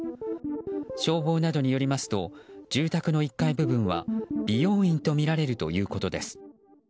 消防などによりますと住宅の１階部分は美容院とみられるということです。